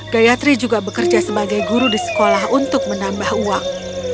gayatri juga bekerja sebagai guru di sekolah untuk menambah uang